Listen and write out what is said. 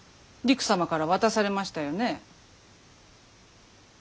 りく様から渡されましたよね。